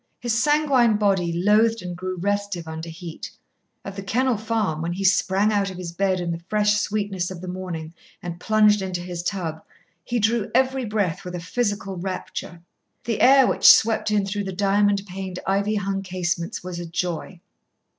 His sanguine body loathed and grew restive under heat. At The Kennel Farm, when he sprang out of his bed in the fresh sweetness of the morning and plunged into his tub, he drew every breath with a physical rapture. The air which swept in through the diamond paned, ivy hung casements was a joy.